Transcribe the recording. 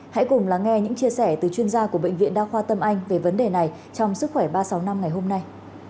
hãy cùng lắng nghe những chia sẻ từ chuyên gia của bệnh viện đa khoa tâm anh về vấn đề này trong sức khỏe ba trăm sáu mươi năm ngày hôm nay